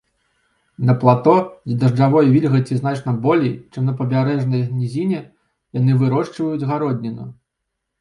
На плато, дзе дажджавой вільгаці значна болей, чым на прыбярэжнай нізіне, яны вырошчваюць гародніну.